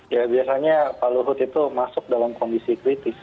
ya biasanya pak luhut itu masuk dalam kondisi kritis